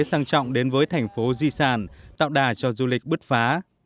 sang trọng đến với thành phố di sản tạo đà cho du lịch bứt phá